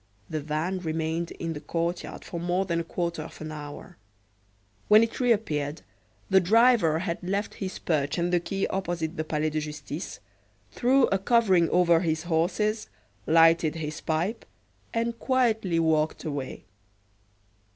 The van remained in the courtyard for more than a quarter of an hour. When it reappeared, the driver had left his perch and the quay opposite the Palais de Justice, threw a covering over his horses, lighted his pipe, and quietly walked away.